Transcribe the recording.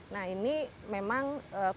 nah ini memang konsep besarnya